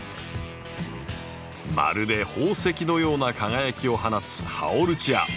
まるで宝石のような輝きを放つハオルチア。